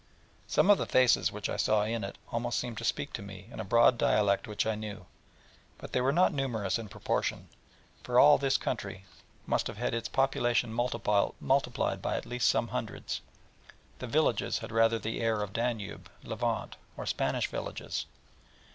Some of the faces which I saw in it almost seemed to speak to me in a broad dialect which I knew. But they were not numerous in proportion: for all this country side must have had its population multiplied by at least some hundreds; and the villages had rather the air of Danube, Levant, or Spanish villages.